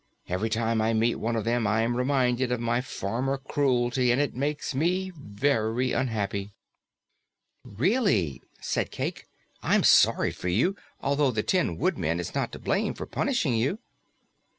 Every time I meet one of them, I am reminded of my former cruelty, and it makes me very unhappy." "Really," said Cayke, "I'm sorry for you, although the Tin Woodman is not to blame for punishing you."